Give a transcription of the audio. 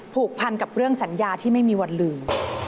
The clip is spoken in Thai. ผูกพันกับเรื่องสัญญาที่ไม่มีวันลืม